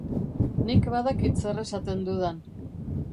Nik badakit zer esaten dudan.